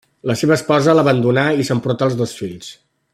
La seva esposa l'abandonà i s'emportà els dos fills.